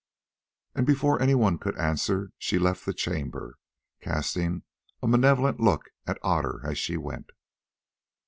And before anyone could answer she left the chamber, casting a malevolent look at Otter as she went.